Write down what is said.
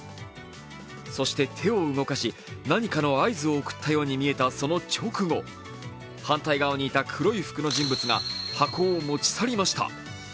そして手を動かし、何かの合図を送ったように見えたその直後、反対側にいた黒い服の人物が箱を持ち去りました。